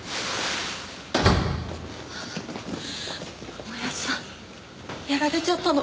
おやっさんやられちゃったの？